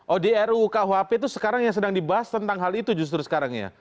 oh di rukuhp itu sekarang yang sedang dibahas tentang hal itu justru sekarang ya